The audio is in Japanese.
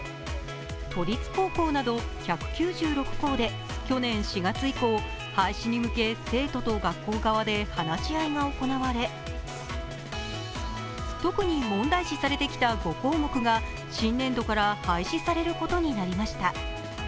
都立高校など１９６校で去年４月以降廃止に向け生徒と学校側で話し合いが行われ、特に問題視されてきた５項目が新年度から廃止されることになりました。